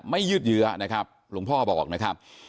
ยืดเยื้อนะครับหลวงพ่อบอกนะครับ